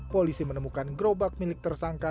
polisi menemukan gerobak milik tersangka